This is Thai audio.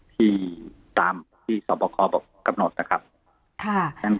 ที่ตามที่สำบวัคคับกรับโน้ทนะครับค่ะ